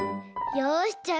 よしじゃあ